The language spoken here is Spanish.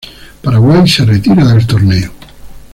Paraguay se retira del torneo.